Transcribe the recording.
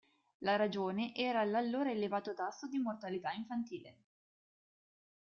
La ragione era l'allora elevato tasso di mortalità infantile.